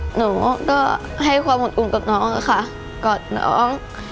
หนูก็ให้ความอดอุ่นกับน้องค่ะกอดน้อง